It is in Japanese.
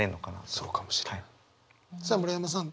そうかもしれん。